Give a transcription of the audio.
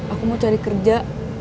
aku mau cari kerja